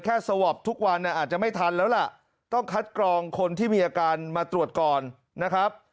สวอปทุกวันอาจจะไม่ทันแล้วล่ะต้องคัดกรองคนที่มีอาการมาตรวจก่อนนะครับ